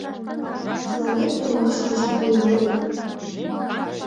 Тыланет тунемашлан жап лийын огыл...